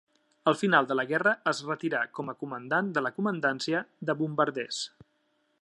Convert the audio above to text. Al final de la guerra es retirà com a Comandant de la Comandància de Bombarders.